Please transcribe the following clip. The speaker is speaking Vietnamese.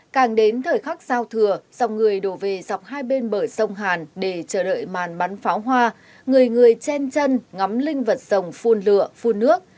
càng đến thời khắc giao thừa dòng người đổ về dọc hai bên bờ sông hàn để chờ đợi màn bắn pháo hoa người người chen chân ngắm linh vật rồng phun lựu phun nước